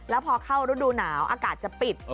แล้วพอเข้าฤดูหนาวอากาศจะปิด